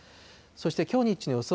そしてきょう日中の予想